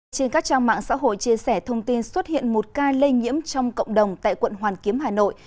trên các trang mạng xã hội chia sẻ thông tin xuất hiện một ca lây nhiễm trong cộng đồng tại quận hoàn kiếm hà nội